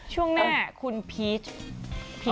ช่วงหน้าคุณพีชพัฒระ